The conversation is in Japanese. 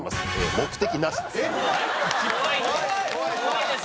目的なしです。